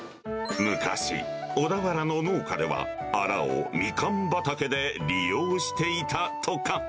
昔、小田原の農家では、アラをミカン畑で利用していたとか。